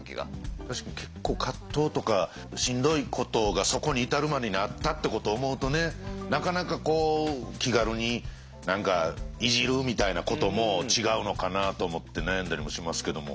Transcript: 確かに結構葛藤とかしんどいことがそこに至るまでにあったってことを思うとねなかなかこう気軽に何かいじるみたいなことも違うのかなと思って悩んだりもしますけども。